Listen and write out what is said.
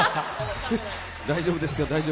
大丈夫ですよ。